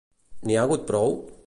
N'hi ha hagut prou?